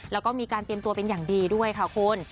แล้วก็มีการเตรียมตัวเป็นอย่างดีด้วยค่ะคุณ